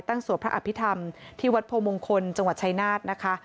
สวดพระอภิษฐรรมที่วัดโพมงคลจังหวัดชายนาฏนะคะ